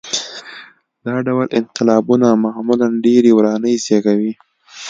دا ډول انقلابونه معمولاً ډېرې ورانۍ زېږوي.